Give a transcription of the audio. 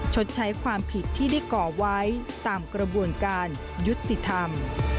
ชดใช้ความผิดที่ได้ก่อไว้ตามกระบวนการยุติธรรม